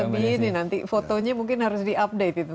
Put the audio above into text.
lebih ini nanti fotonya mungkin harus di update itu